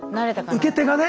受け手がね。